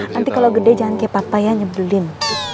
nanti kalo gede jangan kayak papa ya nyebelin